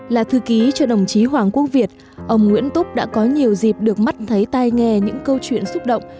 là thư ký cho đồng chí hoàng quốc việt ông nguyễn túc đã có nhiều dịp được mắt thấy tai nghe những câu chuyện xúc động